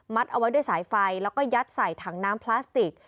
เอาไว้ด้วยสายไฟแล้วก็ยัดใส่ถังน้ำพลาสติก